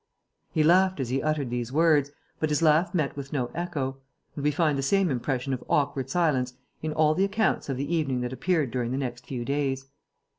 He laughed as he uttered these words, but his laugh met with no echo; and we find the same impression of awkward silence in all the accounts of the evening that appeared during the next few days.